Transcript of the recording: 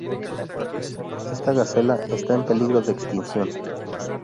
Esta gacela está en peligro de extinción.